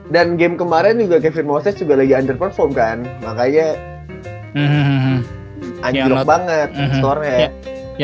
dan game kemarin juga kevin moses lagi underperform kan makanya anjlok banget score nya